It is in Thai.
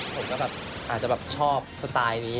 ผมก็แบบอาจจะแบบชอบสไตล์นี้